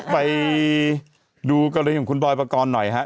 ไปดูกรณีของคุณบอยปกรณ์หน่อยครับ